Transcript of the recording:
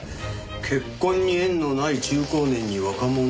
「結婚に縁のない中高年に若者を紹介」。